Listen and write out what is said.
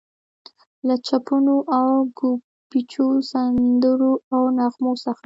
له چپنو او ګوبیچو، سندرو او نغمو څخه.